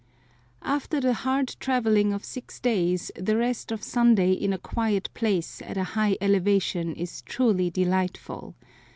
AFTER the hard travelling of six days the rest of Sunday in a quiet place at a high elevation is truly delightful!